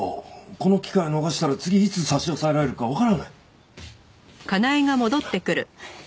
この機会を逃したら次いつ差し押さえられるかわからない。